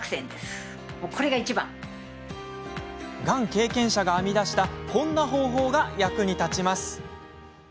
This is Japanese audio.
がん経験者が編み出したこんな方法が役に立ちます。